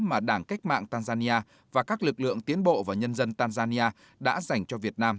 mà đảng cách mạng tanzania và các lực lượng tiến bộ và nhân dân tanzania đã dành cho việt nam